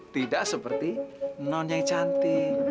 tidak seperti non yang cantik